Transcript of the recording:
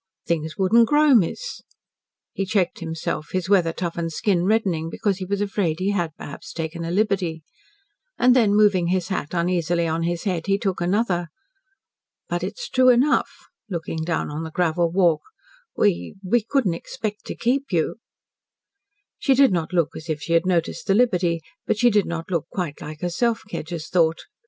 Things wouldn't grow, miss." He checked himself, his weather toughened skin reddening because he was afraid he had perhaps taken a liberty. And then moving his hat uneasily on his head, he took another. "But it's true enough," looking down on the gravel walk, "we we couldn't expect to keep you." She did not look as if she had noticed the liberty, but she did not look quite like herself, Kedgers thought.